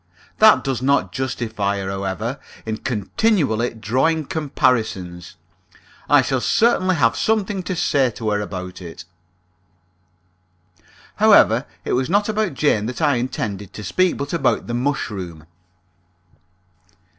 That does not justify her, however, in continually drawing comparisons. I shall certainly have something to say to her about it. However, it was not about Jane that I intended to speak, but about the mushroom.